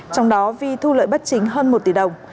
trong đó vi thu lợi bất chính hơn một tỷ đồng